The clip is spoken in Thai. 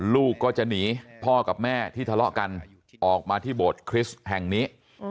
ลูกก็จะหนีพ่อกับแม่ที่ทะเลาะกันออกมาที่โบสถคริสต์แห่งนี้